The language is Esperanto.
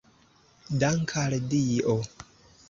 Dank’ al Dio!